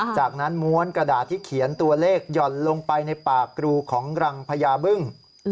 จากนั้นม้วนกระดาษที่เขียนตัวเลขหย่อนลงไปในปากกรูของรังพญาบึ้ง